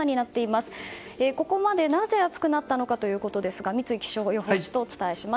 なぜここまで暑くなったのかということですが三井気象予報士とお伝えします。